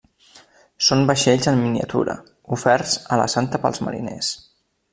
Són vaixells en miniatura, oferts a la Santa pels mariners.